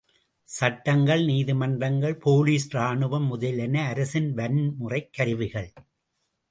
சட்டங்கள், நீதிமன்றங்கள், போலீஸ், ராணுவம் முதலியன அரசின் வன்முறைக் கருவிகள்.